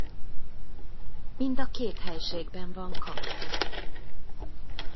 Mind a két helységben van kath.